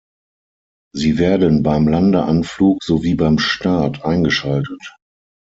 Sie werden beim Landeanflug sowie beim Start eingeschaltet.